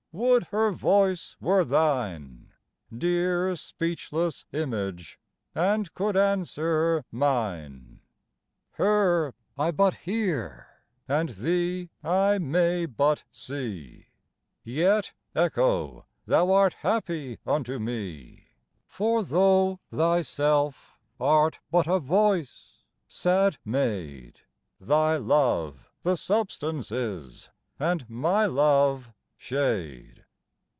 Would her voice were thine, Dear speechless image, and could answer mine! Her I but hear and thee I may but see; Yet, Echo, thou art happy unto me; For though thyself art but a voice, sad maid, Thy love the substance is and my love shade.